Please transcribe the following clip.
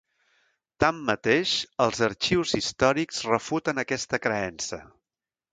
Tanmateix, els arxius històrics refuten aquesta creença.